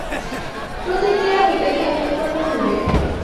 প্রতিক্রিয়া হইতে জ্ঞান উৎপন্ন হইবে।